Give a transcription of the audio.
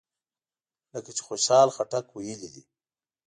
لکه چې خوشحال خټک ویلي دي.